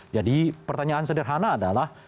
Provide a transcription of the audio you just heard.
jadi pertanyaan sederhana adalah